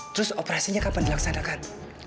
terus operasinya kapan dilaksanakan